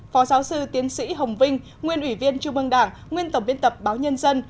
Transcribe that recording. phó giáo sư tiến sĩ hồng vinh nguyên ủy viên trung ương đảng nguyên tổng biên tập báo nhân dân